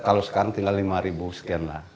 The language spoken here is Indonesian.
kalau sekarang tinggal lima ribu sekian lah